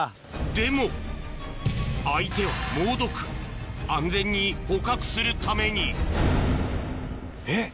でも相手は猛毒安全に捕獲するためにえっ